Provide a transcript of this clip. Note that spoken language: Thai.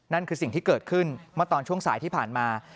นั่นคือสิ่งที่เกิดขึ้นเมื่อตอนช่วงสายที่ผ่านมา